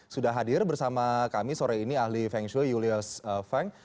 sudah hadir bersama kami sore ini ahli feng shui julius feng